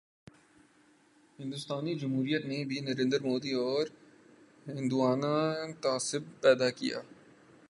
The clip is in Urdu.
ہندوستانی جمہوریت نے بھی نریندر مودی اورہندوانہ تعصب پیدا کیا۔